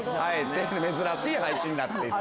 珍しい配置になってる。